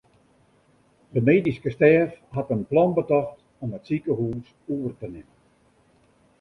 De medyske stêf hat in plan betocht om it sikehûs oer te nimmen.